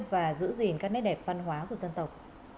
và giữ gìn các nét đẹp văn hóa của dân tộc